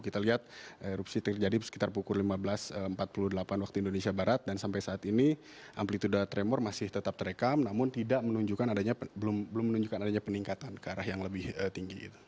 kita lihat erupsi terjadi sekitar pukul lima belas empat puluh delapan waktu indonesia barat dan sampai saat ini amplitude tremor masih tetap terekam namun belum menunjukkan adanya peningkatan ke arah yang lebih tinggi